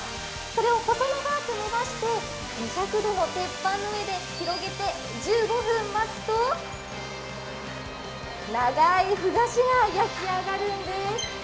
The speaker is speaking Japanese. それを細長く伸ばして、２００度の鉄板の上で広げて１５分待つと、長いふ菓子が焼き上がるんです。